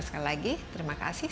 sekali lagi terima kasih